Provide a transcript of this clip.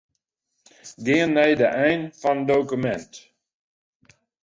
Gean nei de ein fan dokumint.